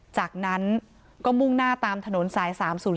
จากนั้นก็มุ่งหน้าตามถนนสาย๓๐๔